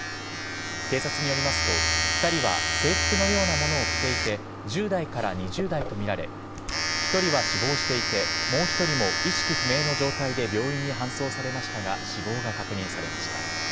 警察によりますと２人は制服のようなものを着ていて１０代から２０代とみられ１人は死亡していてもう１人も意識不明の状態で病院に搬送されましたが死亡が確認されました。